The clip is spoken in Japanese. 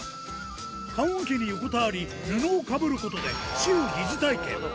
棺おけに横たわり布をかぶることで、死を疑似体験。